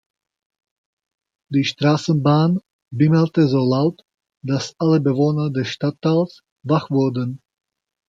Die Straßenbahn bimmelte so laut, dass alle Bewohner des Stadtteils wach wurden.